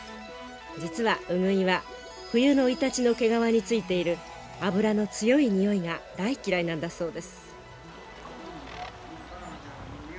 実はウグイは冬のイタチの毛皮についている脂の強いにおいが大嫌いなんだそうです。